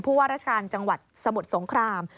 ว่าราชการจังหวัดสมุทรสงคราม